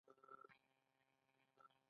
د سمنګان په خرم سارباغ کې سکاره شته.